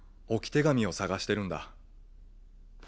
置き手紙を探してるんだ。